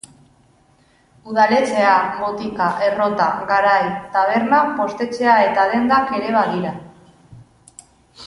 Udaletxea, botika, errota, garai, taberna, postetxea eta dendak ere badira.